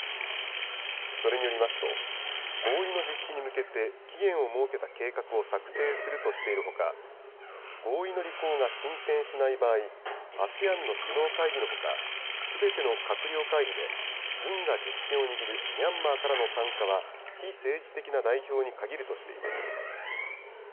それによりますと、合意の実施に向けて期限を設けた計画を策定するとしているほか、合意の履行が進展しない場合、ＡＳＥＡＮの首脳会議のほか、すべての閣僚会議で軍が実権を握るミャンマーからの参加は非政治的な代表に限るとしています。